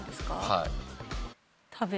はい。